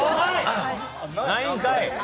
ないんかい！